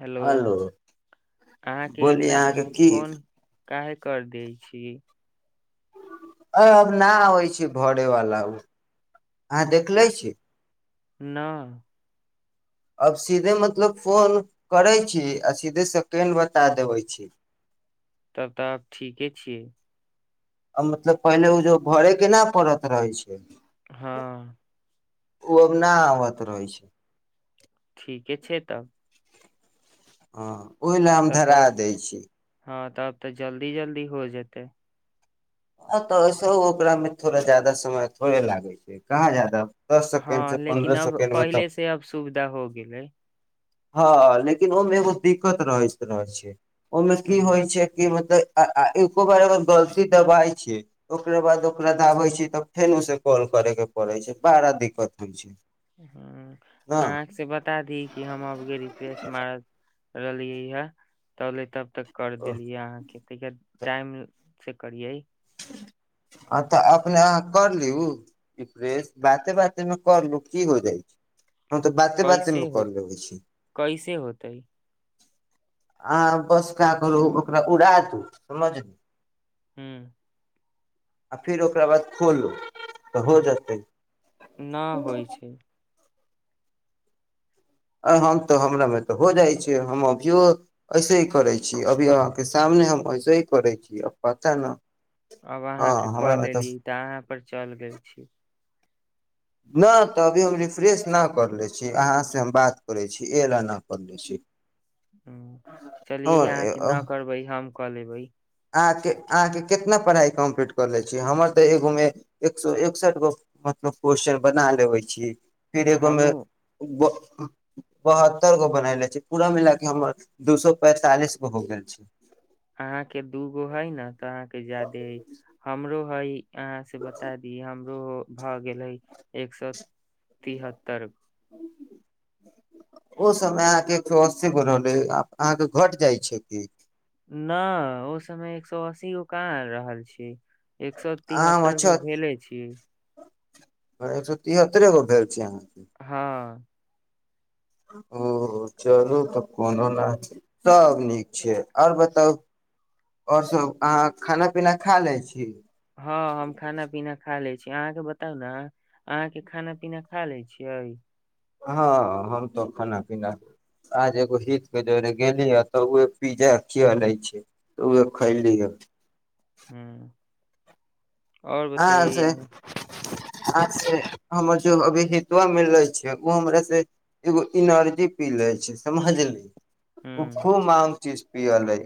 hello अहाँके बोली इतना अहाँके जल्दी की फोन काहे कर दै छी अ अब नहि आबैय छै भरेवाला ओ अहाँ देखलै न छी न अब सीधे मतलब फोन करै छी आ सीधे सेकेण्ड बता देबै छी तब तऽ आब ठीके छियै मतलब पहिले ओ जो भरै केना पड़त रहै छै हँ ओ अब नहि आबत रहै छै ठीके छै तब हँ ओहि लए हम तब धरा तब दै छी हँ तब तऽ जल्दी जल्दी हो जेतै तऽस ओकरा मे थोड़ा जादा समय थोड़े लागै छै कहाँ जादा दस सेकेंड हँ से लेकिन पन्द्रह अब सेकेंड मे तऽ पहिले से अब सुविधा हो गेलै हँ लेकिन ओहिमे एगो दिक्कत रहैत रहैत छै ओहिमे ह की होइ छै कि मतलब आआ एको बार अगर गलती दबााय छियै ओकरा बाद ओकरा दाबै छियै तऽ फेनु से कॉल करे के पड़ै छै बड़ा दिक्कत होइ छै ह ने अहाँ से बता दी कि हम रिफ्रेश मार रहलियै हय तहले तब तऽ कर देलियै अहाँके त टाइमसँ करियै ह तऽ अपने अह कर लिउ रिफ्रेस बाते बाते मे करलू की हो जाइ छै हँ तऽ बाते कैसे बातेमे हो करलेबै छी कैसे होतै आ बसका करू ओकरा उड़ा दू समझ हू आ फेर ओकरा बाद खोलू तऽ हो जेतै ना होइ छै आ हम तऽ हमरामे तऽ हो जाइ छै हम अभियो ऐसे ही करै छी अभी अहाँके सामने हम ऐसे ही करै छी आब पता न अब हँ अहाँके हमरा कऽ मे लेली तऽ अहाँ पर चल गेल छी नाह तऽ अभी हम रिफ्रेश नहि कर लै छी अहाँसँ हम बात करै छी अय ल नहि कर लै छी ह चलियै अहाँके न करबै हम क ले बई अहाके अहाके कितना पढ़ाई कम्पलीट कर लै छी हमर तऽ एगो मे एक सए एकसठ गो मतलब क्वेश्चन बना लेबै छी फिर एगो मे हमहूँ बहत्तर गो बना ले छै पूरा मिलाक हमर दू सए पैंतालिस गो हो गेल छै हँ एक दूगो हय न तऽ अहाँके जादे हमरो के हय अहाँ से बता दी हमरो भऽ गेलै एक सए तिहत्तर गो ओ समय अहाँके एक सए अस्सी गो रहलै अहाँके घट जाइ छै की ना ओ समय एक सए अस्सी गो कहाँ आ रहल छी एक सए आम तिहत्तर अच्छा गो भेले छि एक सए तिहत्तरे गो भेल छी अहाँ हँ ओ चलू तऽ कोनो सब नीक छैय आओर बताउ आओर सब अहाँ खाना पीना खा लै छी हँ हम खाना पीना खा ले छी अहाँके बताउ ने अहाँ के खाना पीना खा लय छियै हँ हम तो खाना पीना आज एगो हितके जरे गेली हे तऽ उह पिज्जा खिया लै छै तऽ उह खयली ह त ह्म हँ से आ हमर जो अभि हत्वा मिलै छैय ओ हमर से एगो एनर्जी पीले छैय समझलिय [unintelligible] [unintelligible] पी अलै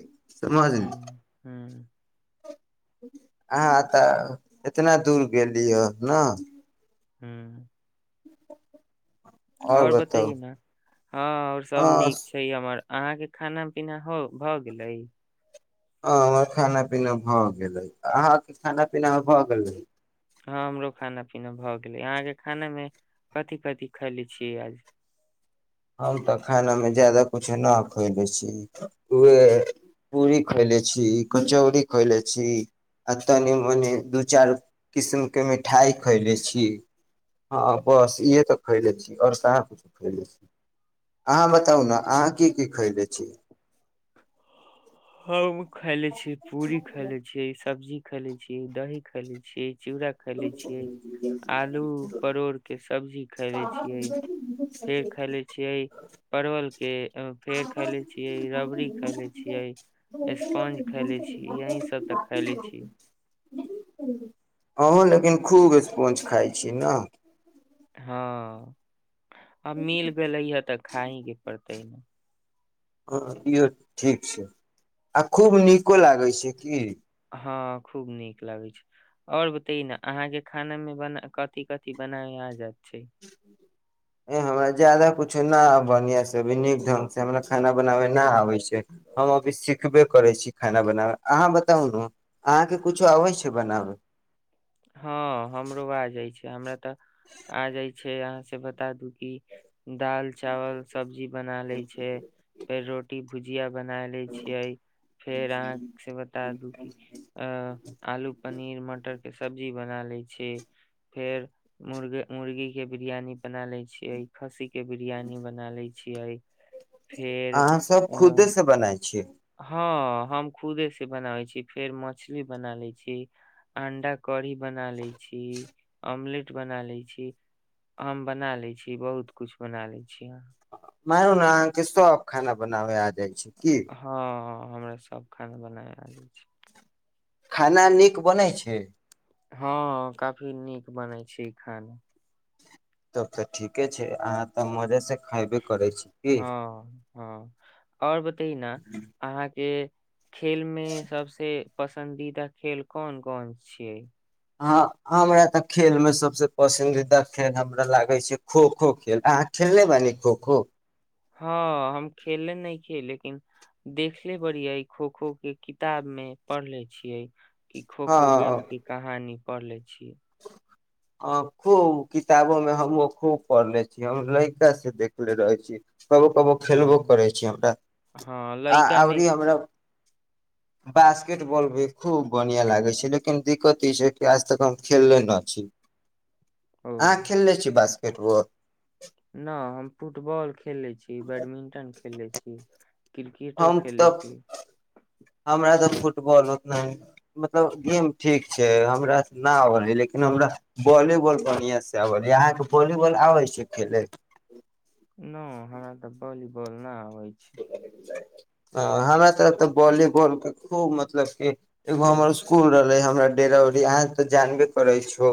ह हँ अहाँ तऽ इतना दूर गेलिय ह ने हँ आओर ओर बताउ बताये ना हँ ओर सब हँ नीक छैय हमर अहाँके खाना पीना हो भऽ गेलै हँ हमर खाना पीना भऽ गेलै अहाँके खाना पीना भऽ गेलै हँ हमरो खाना पीना भऽ गेलै अहाँके खाना मे कथी कथी खैले छियै आज हम तऽ खानामे ज्यादा कूछो ना खयले छी उहे पूरी खयले छी कचौड़ी खयले छी आ तनि मनि दू चार किस्मके मिठाइ खयले छी हँ बस इह तऽ खयले छी ओर कहा कुछो अहाँ बताउ ने अहाँ की की खैले छी हम खायले छी पूरी खायले छि सब्जी खेले छि दही खेले छि चुड़ा खायले छियै आलू परोड़के सब्जी खायले छियै फेर खायले छियै परवलके फेर खाले छियै रबड़ी ख ले छियै [unintelligible] [unintelligible] स्पोंज खैले छी यही सब तऽ खैले छी अहो लेकिन खूब स्पॉंज खाइ छी ने हँ आ मिल गेले हे तऽ खाइ के पड़त तय हँ इहो ठीक छैय आ खूब नीको लागै छैय की हँ खूब नीक लगै छैय और बतेय न अहाँ के खाना मे बना कथी कथी बनाय आ जायत हमरा ज्यदा कुछु न बढ़िआ सँ अभी नीक ढंग सँ हमरा खाना बनाबय ना आबै छैय हम अभी सिखबे करै छी खाना बनाबै अहाँ बताउ ने अहाँके किछो आबै छैय बनाबै हँ हमरो आए जाइ छैय हमरा तऽ आ जाइ यहाँ से बता दू की दाल चावल सब्जी बना लै छै फेर रोटी भुजिया बना लै छियै फेर अहाँ से बता दू कु अ आलू पनीर मटर बना लए छियै फेर मुर मुर्गी के बिरियानी बना लए छियै खस्सी के बिरियानी बना लए छियै फेर अहाँ सब अ खुदे से बनाय छियै हँ हम खुदे से बनाबै छी फेर मछली बना लै छी अंडा कढ़ी बना लै छी अमलेट बना लै छी हम बना लै छी बहुत कूछ बना लै छी मानु ने अहाँ के सब खाना बनाबे आब जाइ छै की हँ हमरा सब खाना बनाय आबै छै खाना नीक बनै छै हँ काफी नीक बनै छै ई खाना तब तऽ ठीके छै अहाँ तऽ मजा से खयबे करै छी की हँ हँ आओर बतय न अहाँके खेलमे सभसे पसन्दीदा खेल कोन कोन छियै हँ हमरा तऽ खेलमे सभसँ पसन्दीदा खेल हमरा लागै छै खोखो खेल अहाँ खेलनेे बानी खोखो हँ हम खेले नहि खे लेकिन देखले बड़िय खोखो के किताब मे पढ़ले छियै की खो खो गेम की कहानी पढले छी ह खूब किताबो मे हमो खूब पढ़ले छियै हम लैका से देखले रहय छी कबो कबो खेलबो हँ करै छी हमरा हँ आ लइका मे अवरी हमरा बास्केटबॉल भी खूब बढ़िआँ लागै छै लेकिन दिक्कत ई छै कि आज तक हम खेलले न छी अहा ओ खेलले छी बास केटबाल न हम फुटबॉल खेलले छी बैडमिंटन खेले छी क्रिकेटो हम खेलै तब छी हमरा तऽ फुट फुटबॉल उतना मतलब गेम ठीक छै हमरा न आबैल लेकिन हमरा वॉलीबॉल बढ़िआँसँ आबैै अहाँके वॉलीबॉल आबै छै खेलय न हमरा तऽ वॉलीबॉल न आ ह हम एत तऽ वॉलीबॉल खुब मतलब की एगो हमर स्कूल रहलय हमर डेरा उरी अहाँ तऽ जानबे करय छु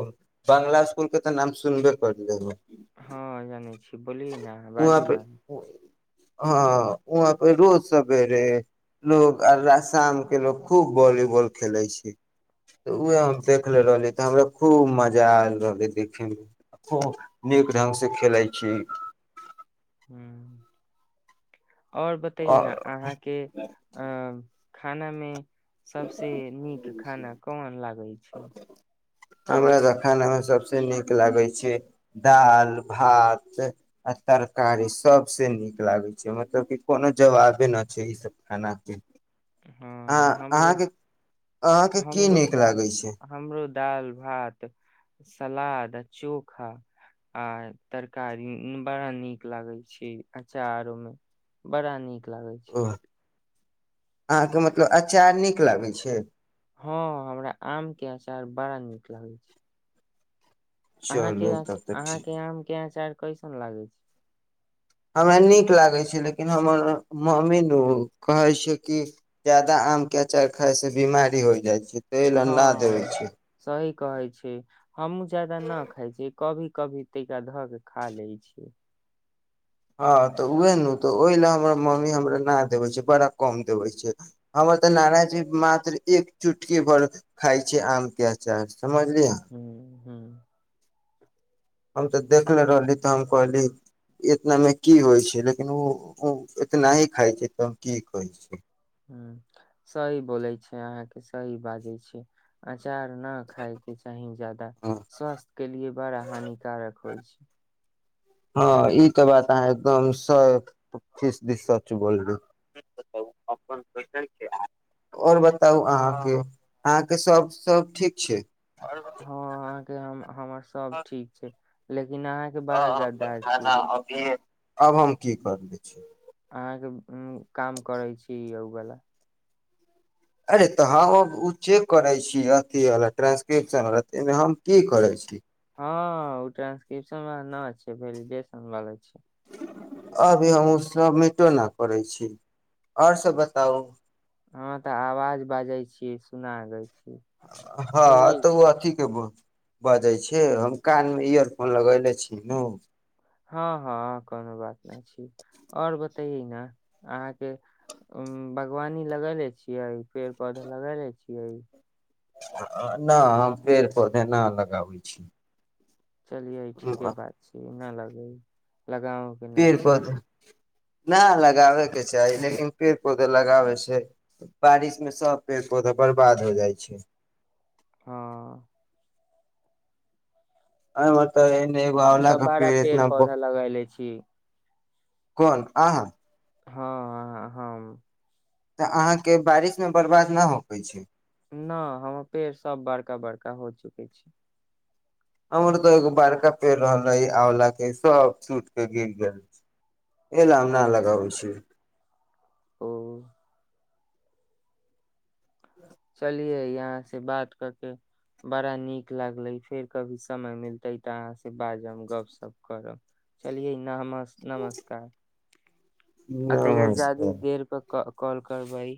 बंग्ला स्कूल के तऽ नाम सुनबे करलिए न हँ जानै छी बोलिय न वहाँ बाजू पे ने हँ वहा पे रोज सवेरे लोग आ शाम के लो खूब वॉलीबॉल खेले छै तऽ उह हम देखले रहली तऽ हमरा खूब मजा आयल रहलै देखे मे खूब नीक ढंग से खेलैत छी ह्म आओर बताइ न आओर अहाँके अ खानामे सबसे निक खाना कोन लागै छै हमरा सभ खानामे सभसँ नीक लागै छै दाइल भात आ तरकारी सभसँ नीक लागै छै मतलब कि कोनो जवाबे नहि छै इसभ खानाके हँ हाँ हमरो अहाँके अहाँके की नीक लागै छै दालि भात सलाद चोखा आ तरकारी बड़ा नीक लागे छै अचारो मे बड़ा नीक नीक लागै ओ छी अहाँके मतलब अचार नीक लागै छै हँ हमरा आम के अचार बड़ा नीक लागै छै अहाँके चलू तब तऽ ठीक अहाँके आम के आचार कैसन लागै छै हमरा नीक लागै छै लेकिन हमर मम्मी नु कहै छै कि ज्यादा आमके अचार खायसँ बिमारी होय जाइ छै तेल अ हँ ना देबै छै सही कहै छै हमहुूँ जादा न खाइ छियै कभी कभी तीखा धऽ के खा ले छियै हँ तऽ उएह नु तऽ ओहि ल हमर मम्मी हमरा न देबे छै बड़ा कम देबै छै हमरातऽ नाराजी मात्र एक चुटकी भर खाइ छै आम के अचार समझलियै हँ हम तऽ देखनेे रहली तऽ हम कहली इतनामे की होइ छै लेकिन ओ ओ इतना ही खाइ छै तऽ हम की कहै छी सही बोलै छै अहाँके सही बाजै छैयै चार ना खाएके चाही जादा स्वास्थ्य के लि बड़ा हानि कारक होय छै हँ ई त बात अहाँ एकदम सी सच बोले आओर बताउ अहाँके अहाँके सब सब ठीक छै और बताउ न आहाँ के के हम हमर सब ठीक छै लेक हँ ह खाना अभी आब हम की कर लै छी अहाँके उ काम करै छी यौ भेला अरे तऽ हमब ओ चेक करै छी अथी ट्रानंसक्रिपशनमे हम की करै छी हँ ओ ट्रानंसक्रिप्शन व न छै विडेशन वाला छै अभी हम ओ सबमिटो नहि करै छी और सभ बताउ हँ तऽ आवाज बाजै छीयै सुना लै छीयै हँ तऽ ओ अथी केबो बजै छै हम कानमे इयरफोन लगयले छीनु हँ हँ कोनो बात नहि छी और बतैेयै ने अहाँके बागवानी लगैले छियै पेड़ पौधा लगैले छियै नहि हम पेड़ पौधे न लगाबै छी चलियइ ठीके बात छै नहि लग ह लगाउ कि नहि छैी नहि लगाबयके चाही लेकिन पेड़ पौधा लगाबैसँ बारिशमे सभ पेड़ पौधा बरबाद हो जाइ छै हँ ह बतए हम तऽ बड़ा पेड़ पौधा लगायले छी कोन अहां हँ हँ अहां हम तऽ अहाँके बारिश मे बर्बाद नहि हो पै छै नहि हमर पेड़ सभ बड़का बड़का हो चुकै छै हमर तऽ एगो बड़का पेड़ रहलै आँवला के सब सुूट के गिर गेल छै ए ला हम ना लगाबै छि ओ चलिये यहाँ से बात क के बड़ा नीक लागले फेर कभी समय मिलते तऽ अहाँ से बाजब गपशप करब चलिये न हमर नमस्कार अत ग जादी नमस्कार गेल क कॉल करबइ